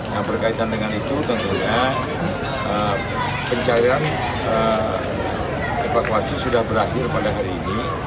nah berkaitan dengan itu tentunya pencarian evakuasi sudah berakhir pada hari ini